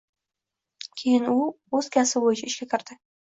Keyin u o‘z kasbi bo‘yicha ishga kirdi.